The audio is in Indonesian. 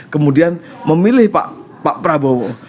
kemudian memilih pak prabowo